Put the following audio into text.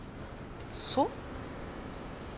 そう？